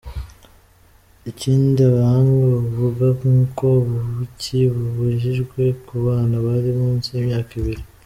Ikindi abahanga bavuga nuko ubuki bubujijwe ku bana bari munsi y’imyaka ibiri.